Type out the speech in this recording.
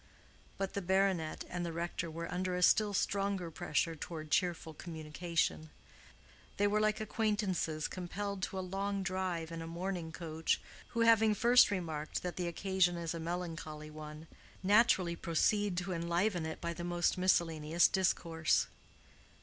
But the baronet and the rector were under a still stronger pressure toward cheerful communication: they were like acquaintances compelled to a long drive in a mourning coach who having first remarked that the occasion is a melancholy one, naturally proceed to enliven it by the most miscellaneous discourse.